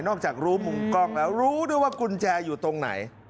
จากรู้มุมกล้องแล้วรู้ด้วยว่ากุญแจอยู่ตรงไหน